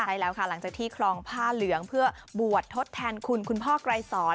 ใช่แล้วค่ะหลังจากที่คลองผ้าเหลืองเพื่อบวชทดแทนคุณคุณพ่อไกรสอน